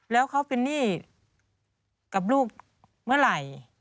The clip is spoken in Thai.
แล้วเขาเป็นหนี้กับลูกเมื่อไหร่